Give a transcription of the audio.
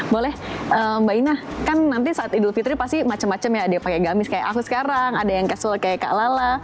boleh mbak ina kan nanti saat idul fitri pasti macam macam ya ada yang pakai gamis kayak aku sekarang ada yang kasur kayak kak lala